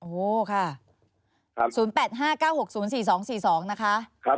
โอ้โหค่ะ๐๘๕๙๖๐๔๒๔๒นะคะ